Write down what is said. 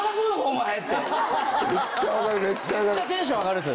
めっちゃテンション上がるんです。